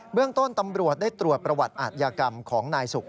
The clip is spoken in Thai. เรื่องต้นตำรวจได้ตรวจประวัติอาทยากรรมของนายสุข